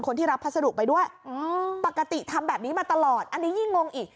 คนที่รับพัสดุไปด้วยปกติทำแบบนี้มาตลอดอันนี้ยิ่งงงอีก